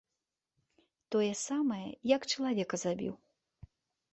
Тое самае, як чалавека забіў.